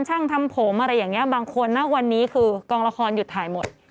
ช่างทำผมอะไรอย่างนี้บางคนนะวันนี้คือกองละครหยุดถ่ายหมด